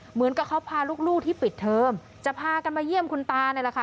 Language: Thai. เหมือนกับเขาพาลูกที่ปิดเทอมจะพากันมาเยี่ยมคุณตานี่แหละค่ะ